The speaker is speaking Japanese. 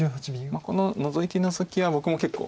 このノゾキの先は僕も結構。